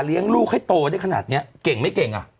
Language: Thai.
ลูกให้โตได้ขนาดนี้เก่งไม่เก่งอ่ะ